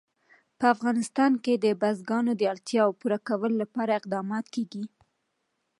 په افغانستان کې د بزګان د اړتیاوو پوره کولو لپاره اقدامات کېږي.